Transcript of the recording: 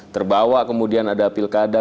terbawa kemudian ada pilkada